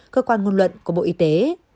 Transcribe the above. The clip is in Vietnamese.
cơ quan ngôn luận của bộ y tế